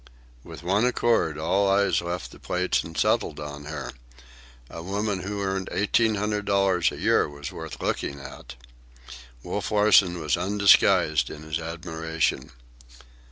With one accord, all eyes left the plates and settled on her. A woman who earned eighteen hundred dollars a year was worth looking at. Wolf Larsen was undisguised in his admiration.